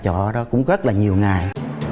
chỗ đó cũng rất là nhiều ngày